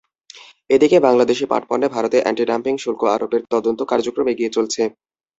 এদিকে বাংলাদেশি পাটপণ্যে ভারতের অ্যান্টি-ডাম্পিং শুল্ক আরোপের তদন্ত কার্যক্রম এগিয়ে চলছে।